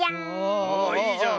ああいいじゃん。